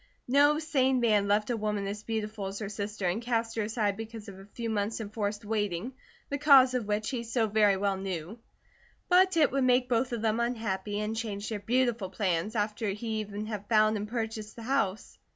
No sane man loved a woman as beautiful as her sister and cast her aside because of a few months' enforced waiting, the cause of which he so very well knew; but it would make both of them unhappy and change their beautiful plans, after he even had found and purchased the house.